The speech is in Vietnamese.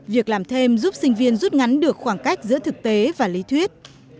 việc làm thêm giúp sinh viên rút ngắn được khoảng cách giữa thực tế và lý thuyết